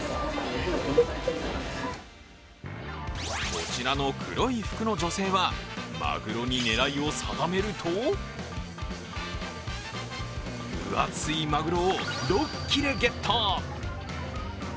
こちらの黒い服の女性はマグロに狙いを定めると分厚いマグロを６切れゲット。